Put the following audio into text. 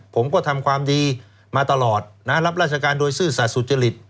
ผมก็ทำความดีมาตลอดนะรับราชการโดยซื่อสัตว์สุจริต